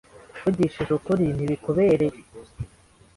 Mvugishije ukuri, ntibikubereye.